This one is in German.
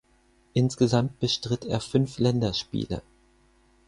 Insgesamt bestritt er fünf Länderspiele.